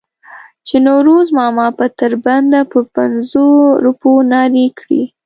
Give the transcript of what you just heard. چې نوروز ماما به تر بنده په پنځو روپو نارې کړې.